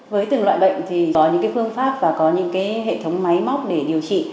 với từng loại bệnh thì có những phương pháp và có những hệ thống máy móc để điều trị